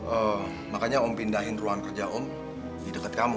eh makanya om pindahin ruang kerja om di deket kamu